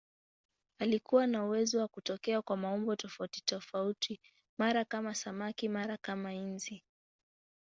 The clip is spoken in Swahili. Alikuwa na uwezo wa kutokea kwa maumbo tofautitofauti, mara kama samaki, mara kama nzi.